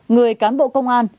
người cán bộ công an